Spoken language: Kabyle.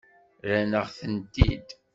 Rran-aɣ-tent-id.